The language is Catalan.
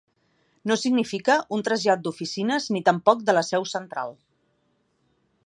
No significa un trasllat d’oficines ni tampoc de la seu central.